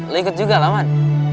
lo ikut juga lah man